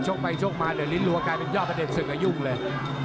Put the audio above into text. โชคไปโชคมาเหลือลิ้นล่วงกลายเป็นยอดพะเด็ดสึกได้ยุ่งเลย